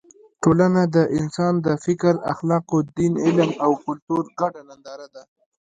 ټولنه د انسان د فکر، اخلاقو، دین، علم او کلتور ګډه ننداره ده.